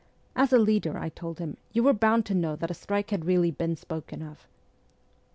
' As a leader,' I told him, ' you were bound to know that a strike had really been spoken of.'